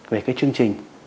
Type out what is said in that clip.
về cái chương trình